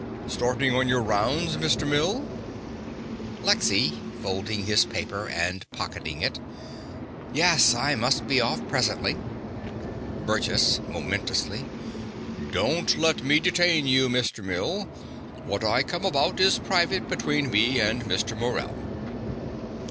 Startin' on your rounds, Mr. Mill? LEXY (folding his paper and pocketing it). Yes: I must be off presently. BURGESS (momentously). Don't let me detain you, Mr. Mill. What I come about is private between me and Mr. Morell.